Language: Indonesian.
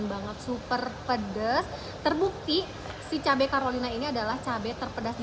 sangat super pedes terbukti si cabai carolina ini adalah cabai terpedas di